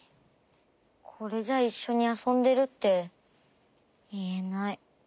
これじゃいっしょにあそんでるっていえない。